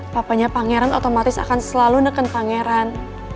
papanya pangeran otomatis akan selalu neken pangeran